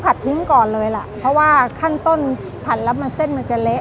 ทิ้งก่อนเลยล่ะเพราะว่าขั้นต้นผัดแล้วมันเส้นมันจะเละ